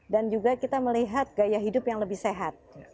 dan juga kita melihat gaya hidup yang lebih sehat